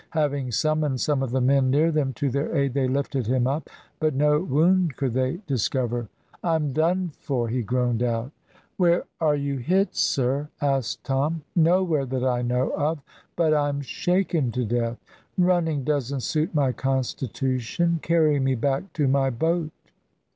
Having summoned some of the men near them to their aid, they lifted him up, but no wound could they discover. "I'm done for," he groaned out. "Where are you hit, sir?" asked Tom. "Nowhere that I know of, but I'm shaken to death. Running doesn't suit my constitution. Carry me back to my boat."